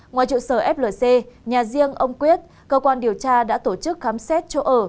ngoài trụ sở flc nhà riêng ông quyết cơ quan điều tra đã tổ chức khám xét chỗ ở